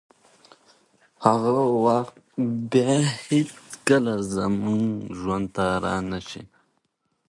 هغه وخت به بیا هیڅکله زموږ ژوند ته رانشي.